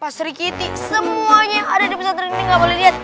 pasri kitty semuanya yang ada di pesawat tersebut gak boleh lihat